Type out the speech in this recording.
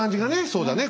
そうだね。